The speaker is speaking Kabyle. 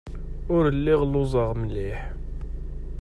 Ur lliɣ lluẓeɣ mliḥ.